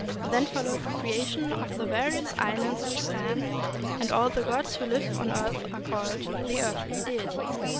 Then followed the creation of the various islands of Japan, and all the gods who live on the earth and are called the earthly deities.